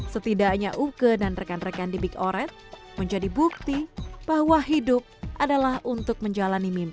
setidaknya uke dan rekan rekan di big oret menjadi bukti bahwa hidup adalah untuk menjalani mimpi